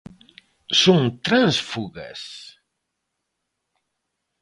Son tránsfugas?